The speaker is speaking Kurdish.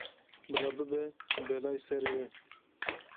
Bila bibe belayê serê we.